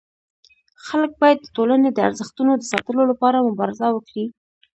خلک باید د ټولني د ارزښتونو د ساتلو لپاره مبارزه وکړي.